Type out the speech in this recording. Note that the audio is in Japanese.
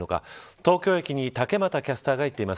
東京駅に竹俣キャスターが行っています。